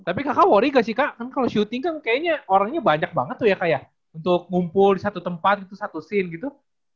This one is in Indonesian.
tapi kakak worry gak sih kak kan kalau syuting kan kayaknya orangnya banyak banget tuh ya kayak untuk ngumpul di satu tempat itu satu scene gitu